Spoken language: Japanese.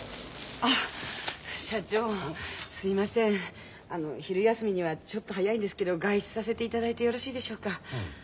あの昼休みにはちょっと早いんですけど外出させていただいてよろしいでしょうか？